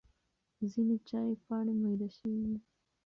ځینې چای پاڼې مېده شوې وي.